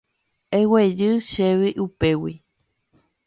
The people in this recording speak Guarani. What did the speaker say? Eguejy chéve upégui.